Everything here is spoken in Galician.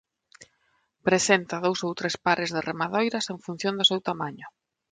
Presenta dous ou tres pares de remadoiras en función do seu tamaño.